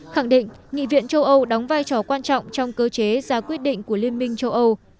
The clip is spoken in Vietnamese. khẳng định nghị viện châu âu đóng vai trò quan trọng trong cơ chế ra quyết định của liên minh châu âu